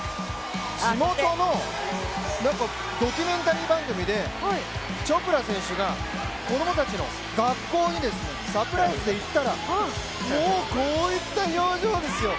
地元のドキュメンタリー番組でチョプラ選手が子供たちの学校にサプライズで行ったら、もうこういった表情ですよ。